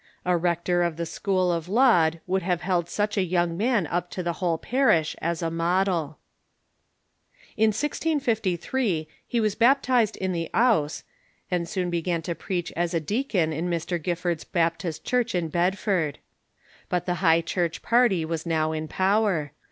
A rector of the school of Laud would have held such a young man up to the whole parish as a model." In 1653 he was baptized in the Ouse, and soon began to preach as a deacon in Mr. Gilford's Baptist Church in Bedford. But the High Church party was now in power.